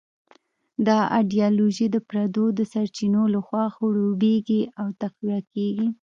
دا ایډیالوژي د پردو د سرچینو لخوا خړوبېږي او تقویه کېږي.